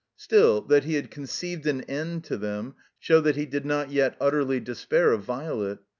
Still, that he had conceived an end to them, showed that he did not yet utterly despair of Violet.